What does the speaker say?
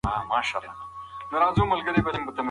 پاکه هوا له ککړې هوا څخه غوره ده.